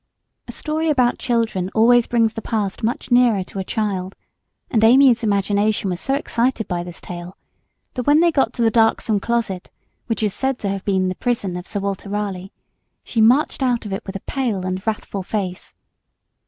A story about children always brings the past much nearer to a child, and Amy's imagination was so excited by this tale, that when they got to the darksome closet which is said to have been the prison of Sir Walter Raleigh, she marched out of it with a pale and wrathful face.